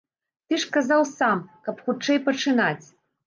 Ты ж казаў сам, каб хутчэй пачынаць.